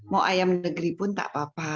mau ayam negeri pun tak apa apa